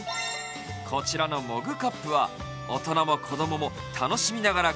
こちらのマグカップは大人も子供も楽しみながら